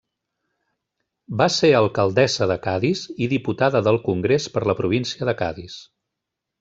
Va ser alcaldessa de Cadis i diputada del Congrés per la província de Cadis.